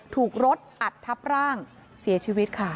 ถูกรถอัดทับร่างเสียชีวิตค่ะ